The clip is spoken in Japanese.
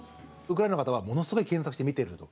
ウクライナの方はものすごい検索して見てると。